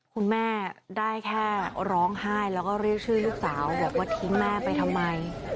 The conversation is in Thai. คุณแม่ได้แค่ร้องไห้แล้วก็เรียกชื่อลูกสาวบอกว่าทิ้งแม่ไปทำไม